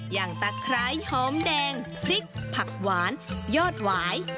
อย่างตะไคร้หอมแดงพริกผักหวานยอดหวาย